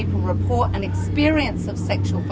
mengalami pengalaman kekerasan seksual